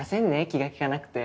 気が利かなくて。